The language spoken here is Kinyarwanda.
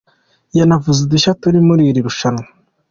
Yanavuze udushya turi muri iri rushanwa .